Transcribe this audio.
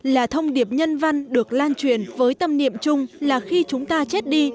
là thông điệp nhân văn được lan truyền với tâm niệm chung là khi chúng ta chết đi